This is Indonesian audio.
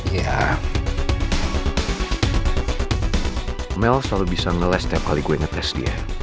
ya mels selalu bisa ngeles setiap kali gue ngetes dia